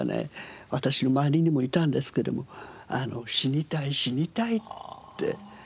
私の周りにもいたんですけども「死にたい死にたい」って言うんですよね。